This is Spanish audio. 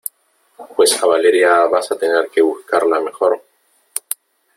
pues a Valeria vas a tener que buscarla mejor ,